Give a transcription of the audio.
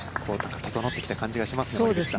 整ってきた感じがします。